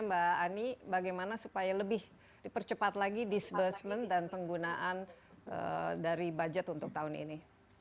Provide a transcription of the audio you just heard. mbak ani bagaimana supaya lebih dipercepat lagi disbursement dan penggunaan dari budget untuk tahun ini